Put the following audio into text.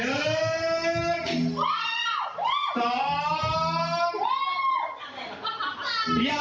เอาแล้วเอาจริงเอา